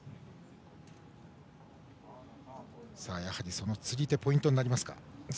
その釣り手がポイントになりますか。